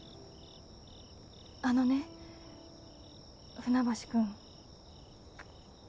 あのね船橋くん。